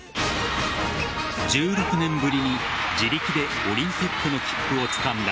１６年ぶりに、自力でオリンピックの切符をつかんだ